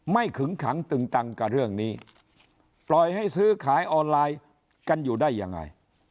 ขึงขังตึงตังกับเรื่องนี้ปล่อยให้ซื้อขายออนไลน์กันอยู่ได้ยังไง